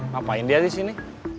ngapain dia disini